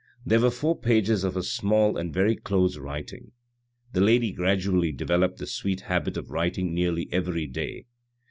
There were four pages of a small and very close writing. The lady gradually developed the sweet habit of writing nearly every day.